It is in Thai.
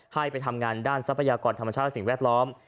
ให้ไปทำงานด้านทรัพยากรธรรมชาติสิ่งแวดล้อม